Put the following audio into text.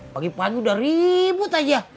pagi pagi udah ribut aja